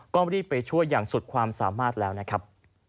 ก็รีบไปช่วยอย่างสุดความสามารถแล้วนะครับ